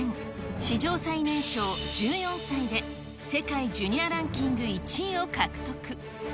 史上最年少、１４歳で世界ジュニアランキング１位を獲得。